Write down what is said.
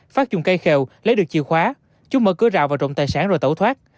pháp dùng cây khèo lấy được chìa khóa chúng mở cửa rào vào trộm tài sản rồi tẩu thoát